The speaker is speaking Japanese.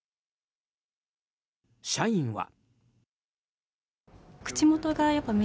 社員は。